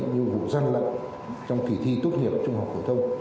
nhiệm vụ gian lận trong kỳ thi tốt nghiệp trung học hội thông